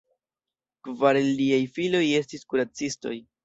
Kvar el liaj filoj estis kuracistoj.